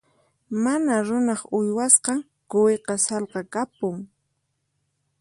Mana runaq uywasqan quwiqa sallqa kapun.